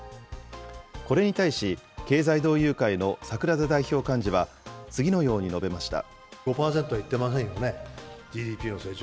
これに対し、経済同友会の櫻田代表幹事は、次のように述べました。